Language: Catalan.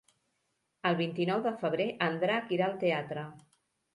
El vint-i-nou de febrer en Drac irà al teatre.